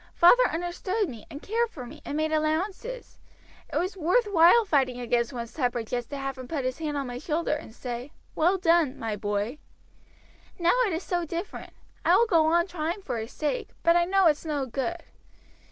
"Father understood me, and cared for me, and made allowances. It was worth while fighting against one's temper just to have him put his hand on my shoulder and say, 'Well done, my boy.' Now it is so different. I will go on trying for his sake; but I know it's no good.